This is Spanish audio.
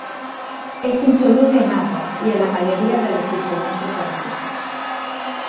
Es insoluble en agua y en la mayoría de los disolventes orgánicos.